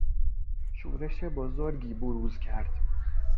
شورش بزرگی بروز کرد.